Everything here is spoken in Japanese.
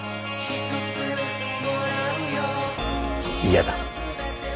嫌だ。